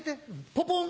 ポポン！